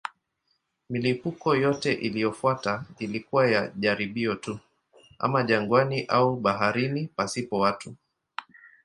Milipuko yote iliyofuata ilikuwa ya jaribio tu, ama jangwani au baharini pasipo watu.